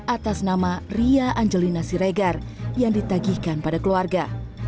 atas nama ria angelina siregar yang ditagihkan pada keluarga